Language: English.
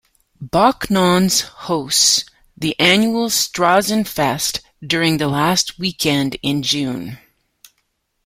Backnang's hosts the annual "Strassenfest" during the last weekend in June.